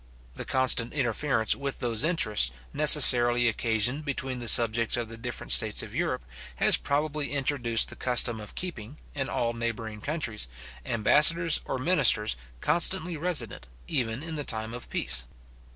The constant interference with those interests, necessarily occasioned between the subjects of the different states of Europe, has probably introduced the custom of keeping, in all neighbouring countries, ambassadors or ministers constantly resident, even in the time of peace.